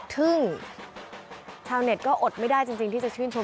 ซึ่งชาวเน็ตก็อดไม่ได้จริงที่จะชื่นชม